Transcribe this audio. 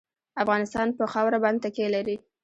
افغانستان په خاوره باندې تکیه لري.